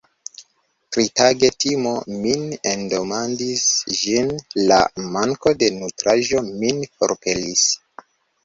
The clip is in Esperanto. Tritage, timo min endomadis, ĝis la manko de nutraĵo min forpelis.